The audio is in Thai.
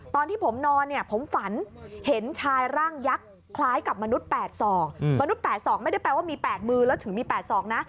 ตอนที่ผมนอนไม่ได้แปลว่ามีแปดมือแล้วถึงมีแปดสอกนะ